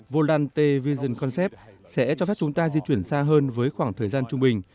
volante vision concept sẽ cho phép chúng ta di chuyển xa hơn với khoảng thời gian trung bình